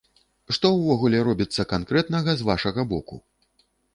Што ўвогуле робіцца канкрэтнага з вашага боку?